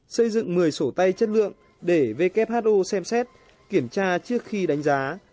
xây dựng một mươi sổ tay chất lượng để who xem xét kiểm tra trước khi đánh giá